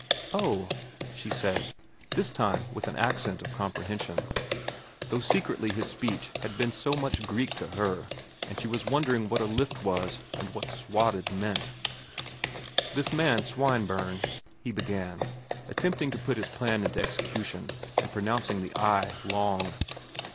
"Oh," she said, this time with an accent of comprehension, though secretly his speech had been so much Greek to her and she was wondering what a lift was and what swatted meant. "This man Swineburne," he began, attempting to put his plan into execution and pronouncing the i long.